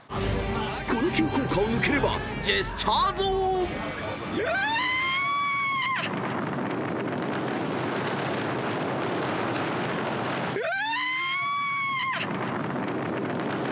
［この急降下を抜ければジェスチャーゾーン］うわ！うわ！